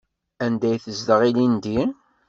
Anda ay tezdeɣ ilindi?